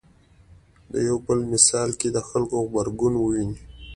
په یو بل مثال کې د خلکو غبرګون وینو.